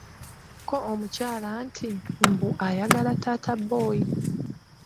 Kko omukyala nti, Mbu ayagala taata boy!